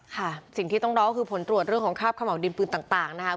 สิ่งที่ต้องรอก็คือผลตรวจเรื่องของคาบขม่าวดินปืนต่างนะครับ